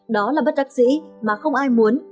đó là bất đắc dĩ mà không ai muốn